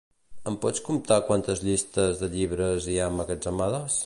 Em pots comptar quantes llistes de llibres hi ha emmagatzemades?